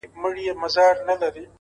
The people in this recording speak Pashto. دا جګړه څوک کوي